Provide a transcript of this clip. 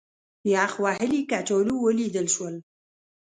یخ وهلي کچالو ولیدل شول.